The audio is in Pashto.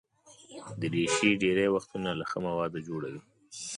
دریشي ډېری وختونه له ښه موادو جوړه وي.